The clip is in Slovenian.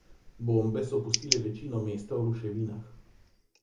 Bombe so pustile večino mesta v ruševinah.